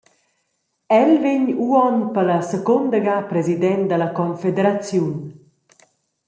El vegn uonn per la secunda ga president dalla Confederaziun.